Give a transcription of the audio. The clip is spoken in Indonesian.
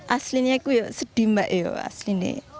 aslinya aku sedih mbak ya aslinya